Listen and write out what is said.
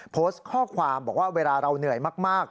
โพสต์ข้อความบอกว่าเวลาเราเหนื่อยมาก